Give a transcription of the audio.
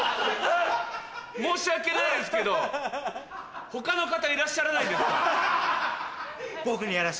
申し訳ないですけど他の方いらっしゃらないんですか？